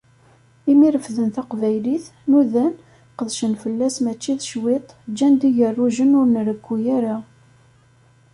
Imi refden Taqbaylit, nudan, qedcen fell-as mačči d cwiṭ, ǧǧan-d igerrujen ur nrekku ara.